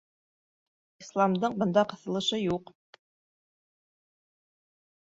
Исламдың бында ҡыҫылышы юҡ.